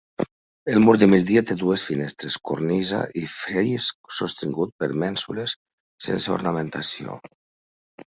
El mur de migdia té dues finestres, cornisa i fris sostingut per mènsules sense ornamentació.